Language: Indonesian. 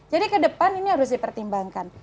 jadi kedepan ini harus dipertimbangkan